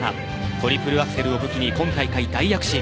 トリプルアクセルを武器に今大会大躍進。